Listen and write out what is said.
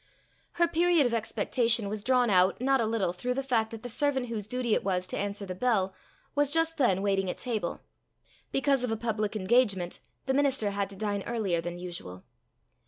Her period of expectation was drawn out not a little through the fact that the servant whose duty it was to answer the bell was just then waiting at table: because of a public engagement, the minister had to dine earlier than usual.